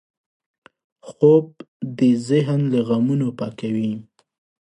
خوب د ذهن له غمونو پاکوي